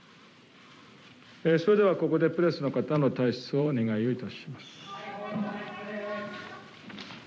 それではここでプレスの方の退出をお願いいたします。